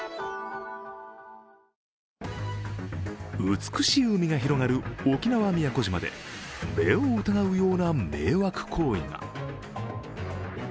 美しい海が広がる沖縄・宮古島で目を疑うような迷惑行為が。